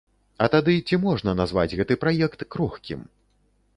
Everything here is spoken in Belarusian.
А тады, ці можна назваць гэты праект крохкім?